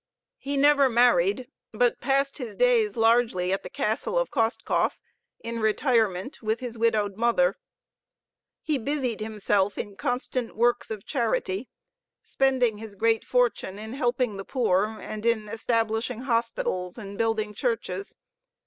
He never married, but passed his days largely at the castle of Kostkov in retirement with his widowed mother. He busied himself in constant works of charity, spending his great fortune in helping the poor and in establishing hospitals and building churches.